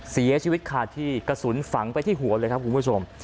เสียชีวิตขาดที่กระสุนฝังไปที่หัวเลยครับคุณผู้ชม